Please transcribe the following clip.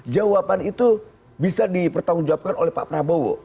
jawaban itu bisa dipertanggung jawabkan oleh pak prabowo